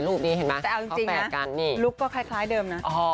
รูปก็คล้ายเดิมนะ